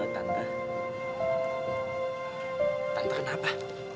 tante tante kenapa